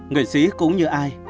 người xí cũng như ai